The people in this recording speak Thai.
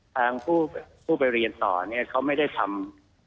ทางผู้ไปเรียนต่อเนี่ยเขาไม่ได้ทำ